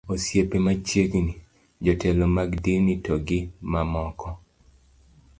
osiepe machiegni, jotelo mag din to gi mamoko